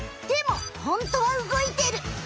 でもホントは動いてる。